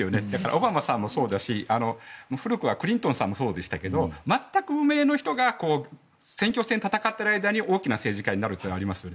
オバマさんもそうだし古くはクリントンさんもそうでしたけど全く無名の人が選挙戦戦っている間に大きな政治家になるというのがあります。